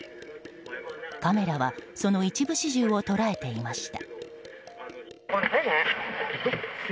カメラはその一部始終を捉えていました。